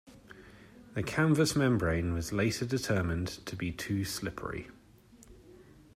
The canvas membrane was later determined to be too slippery.